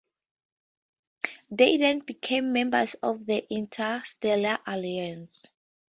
They then became members of the Interstellar Alliance.